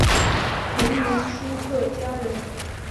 陈铭枢客家人。